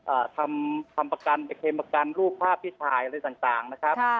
อ่าทำทำประกันไปเคลมประกันรูปภาพที่ถ่ายอะไรต่างต่างนะครับค่ะ